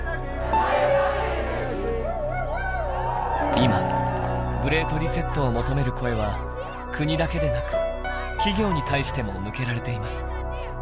今グレート・リセットを求める声は国だけでなく企業に対しても向けられています。